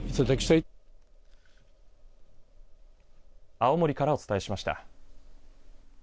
青森からお伝えしました。